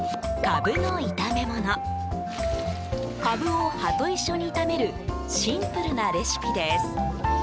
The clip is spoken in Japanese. カブを葉と一緒に炒めるシンプルなレシピです。